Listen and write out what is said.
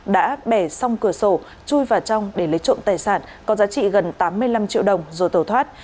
đã bẻ xong cửa sổ chui vào trong để lấy trộm tài sản có giá trị gần tám mươi năm triệu đồng rồi tẩu thoát